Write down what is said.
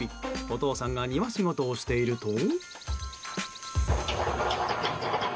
お父さんが庭仕事をしていると。